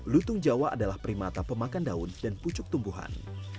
lutung jawa adalah primata pemakan daun dan pucuk tumbuhan